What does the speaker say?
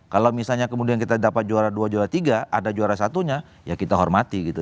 kalau misalnya kemudian kita dapat juara dua juara tiga ada juara satunya ya kita hormati gitu